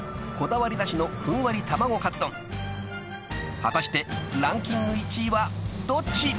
［果たしてランキング１位はどっち？］